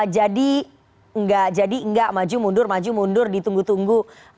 jadi enggak jadi enggak maju mundur maju mundur ditunggu tunggu